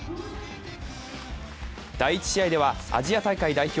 第１試合では、アジア大会代表